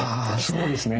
あそうですね。